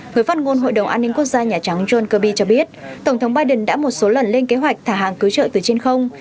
người phát ngôn hội đồng an ninh quốc gia nhà trắng john kirby cho biết tổng thống biden đã một số lần lên kế hoạch thả hàng cứu trợ từ trên không